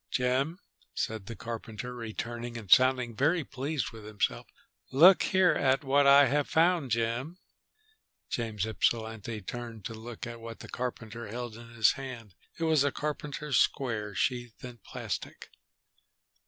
"Jim," said the carpenter, returning and sounding very pleased with himself, "look here at what I have found, Jim." James Ypsilanti turned to look at what the carpenter held in his hand. It was a carpenter's square sheathed in plastic.